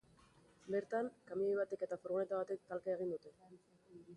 Bertan, kamioi batek eta furgoneta batek talka egin dute.